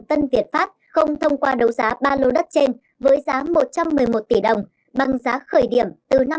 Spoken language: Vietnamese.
tân việt pháp không thông qua đấu giá ba lô đất trên với giá một trăm một mươi một tỷ đồng bằng giá khởi điểm từ năm hai nghìn một mươi